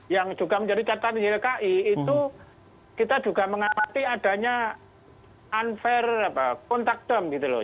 yang juga menjadi catatan ylki itu kita juga mengamati adanya unfair contact term gitu loh